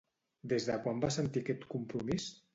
Des de quan va sentir aquest compromís?